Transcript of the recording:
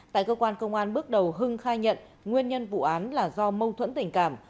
tại cơ quan công an bước đầu hưng khai nhận nguyên nhân vụ án là do mâu thuẫn tình cảm